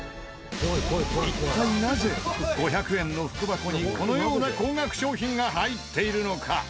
一体なぜ５００円の福箱にこのような高額商品が入っているのか？